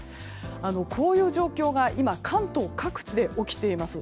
こういう状況が今、関東各地で起きています。